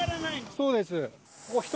そうです。